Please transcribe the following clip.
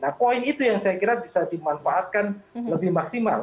nah poin itu yang saya kira bisa dimanfaatkan lebih maksimal